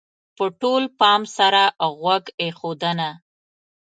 -په ټول پام سره غوږ ایښودنه: